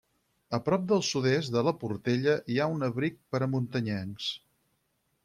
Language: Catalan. A prop al sud-est de la portella hi ha un abric per a muntanyencs.